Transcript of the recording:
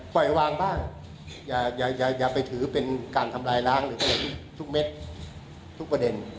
ปล่อยวางบ้างอย่าไปถือเป็นการทำลายล้างหรือทุกเม็ดทุกประเด็น